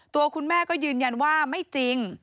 ตัวคุณแม่ก็ยืนยันว่าไม่จริง